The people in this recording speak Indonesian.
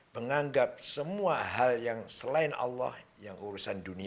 menganggap semua hal yang selain allah yang tidak ada di dalam hidup kita